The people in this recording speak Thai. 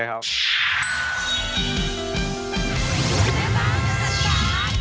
ชอบสมมตินะชอบยังตามเลยต่อ